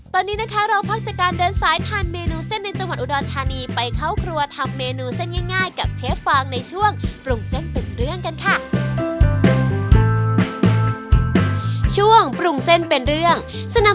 ตอนนี้นะคะเราพักจากการเดินสายทานเมนูเส้นในจังหวัดอุดรธานีไปเข้าครัวทำเมนูเส้นง่ายกับเชฟฟางในช่วงปรุงเส้นเป็นเรื่องกันค่ะ